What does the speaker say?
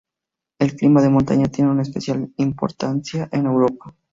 El clima de montaña tiene una especial importancia en Europa.